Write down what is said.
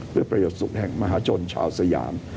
เพื่อประโยชน์สุขแห่งมหาชนชาวสยาม